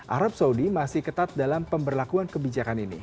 arab saudi masih ketat dalam pemberlakuan kebijakan ini